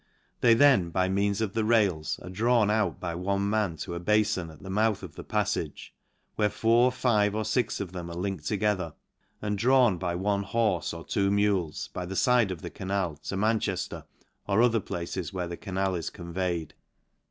They then, by means of the rails, are drawn out by one man to a bafon at the mouth of the paf fage, where four, five, or fix of them are linked together, and drawn by one horfe or two mules, by the fide of the canal, to Mancbefter or other places where the canal is conveyed.